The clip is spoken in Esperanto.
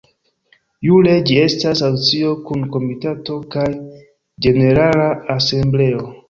Jure ĝi estas asocio kun Komitato kaj Ĝenerala Asembleo.